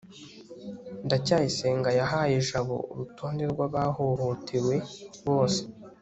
ndacyayisenga yahaye jabo urutonde rw'abahohotewe bose